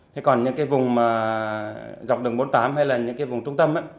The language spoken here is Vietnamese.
thế còn những cái vùng dọc đường bốn mươi tám hay là những cái vùng trung tâm á